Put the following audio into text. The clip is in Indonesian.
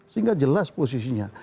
sehingga jelas posisinya